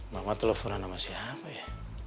mama teleponan sama siapa ya